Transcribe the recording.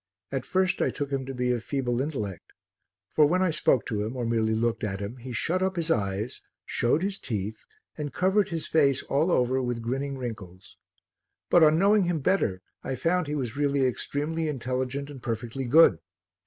At first I took him to be of feeble intellect, for when I spoke to him or merely looked at him, he shut up his eyes, showed his teeth and covered his face all over with grinning wrinkles; but on knowing him better, I found he was really extremely intelligent and perfectly good.